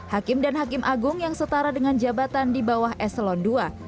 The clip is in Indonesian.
hakim dan hakim agung yang setara dengan jabatan di bawah eselon ii